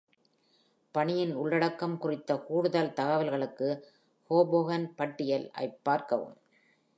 பணியின் உள்ளடக்கம் குறித்த கூடுதல் தகவல்களுக்கு "ஹோபோகன் பட்டியல்" ஐப் பார்க்கவும்.